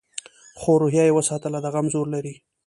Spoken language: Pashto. خو روحیه یې وساتله؛ د غم زور لري.